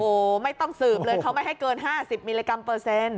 โอ้โหไม่ต้องสืบเลยเขาไม่ให้เกิน๕๐มิลลิกรัมเปอร์เซ็นต์